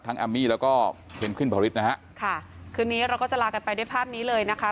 แอมมี่แล้วก็เพนกวินพาริสนะฮะค่ะคืนนี้เราก็จะลากันไปด้วยภาพนี้เลยนะคะ